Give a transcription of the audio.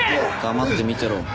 黙って見てろ。